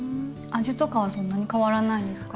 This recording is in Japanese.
味とかはそんなに変わらないんですか？